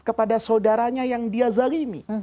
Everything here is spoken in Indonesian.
kepada saudaranya yang dia zalimi